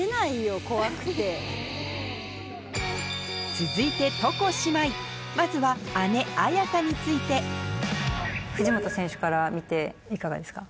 続いて床姉妹まずは藤本選手から見ていかがですか？